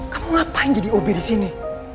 kamu ngapain jadi ob disini